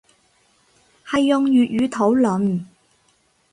係用粵語討論